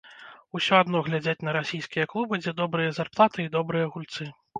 Усё адно глядзяць на расійскія клубы, дзе добрыя зарплаты і добрыя гульцы.